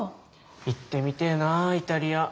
行ってみてえなイタリア。